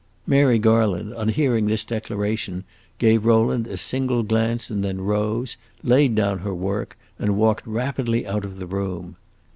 Mary Garland, on hearing this declaration, gave Rowland a single glance and then rose, laid down her work, and walked rapidly out of the room.